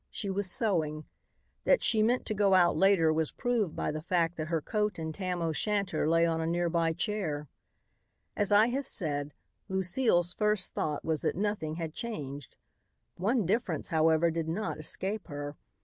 She was sewing. That she meant to go out later was proved by the fact that her coat and tam o' shanter lay on a near by chair. As I have said, Lucile's first thought was that nothing had changed. One difference, however, did not escape her.